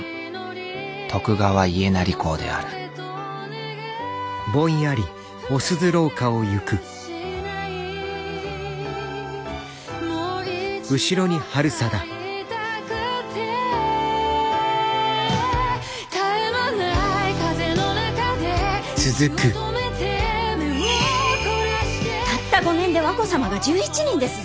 徳川家斉公であるたった５年で和子様が１１人ですぞ！